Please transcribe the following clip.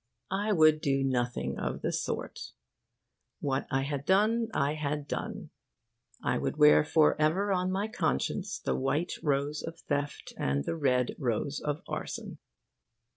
I would do nothing of the sort. What I had done I had done. I would wear forever on my conscience the white rose of theft and the red rose of arson.